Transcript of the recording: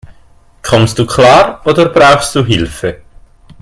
Kommst du klar, oder brauchst du Hilfe?